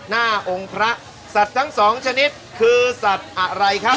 หน้าองค์พระสัตว์ทั้งสองชนิดคือสัตว์อะไรครับ